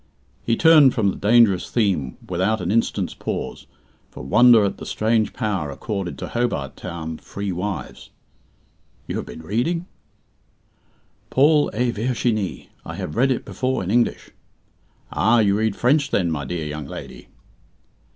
He turned from the dangerous theme without an instant's pause, for wonder at the strange power accorded to Hobart Town "free" wives. "You have been reading?" "'Paul et Virginie'. I have read it before in English." "Ah, you read French, then, my dear young lady?"